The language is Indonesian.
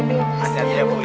saya juga jangan kemas